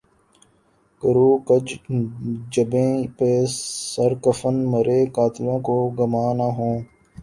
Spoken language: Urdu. کرو کج جبیں پہ سر کفن مرے قاتلوں کو گماں نہ ہو